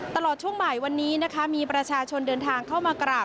ตลอดช่วงบ่ายวันนี้นะคะมีประชาชนเดินทางเข้ามากราบ